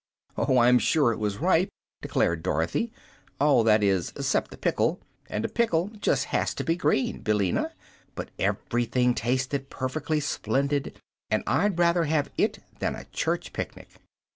"Oh, I'm sure it was ripe," declared Dorothy, "all, that is, 'cept the pickle, and a pickle just HAS to be green, Billina. But everything tasted perfectly splendid, and I'd rather have it than a church picnic.